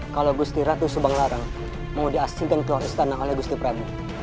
kalau gusti ratu subang larang mau diaksintan ke waristanah oleh gusti prabu